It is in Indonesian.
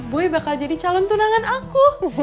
boy bakal jadi calon tunangan aku